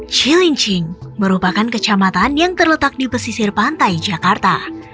cilincing merupakan kecamatan yang terletak di pesisir pantai jakarta